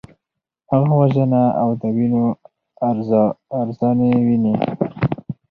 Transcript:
هغه وژنه او د وینو ارزاني ویني.